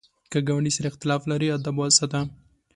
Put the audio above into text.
که ګاونډي سره اختلاف لرې، ادب وساته